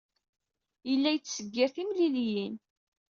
Yella yettseggir timliliyin.